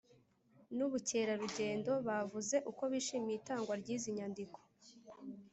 n ubukerarugendo Bavuze uko bishimye itangwa ry izi nyandiko